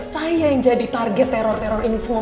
saya yang jadi target teror teror ini semua